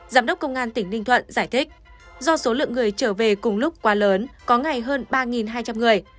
giám đốc công an tỉnh ninh thuận giải thích do số lượng người trở về cùng lúc quá lớn có ngày hơn ba hai trăm linh người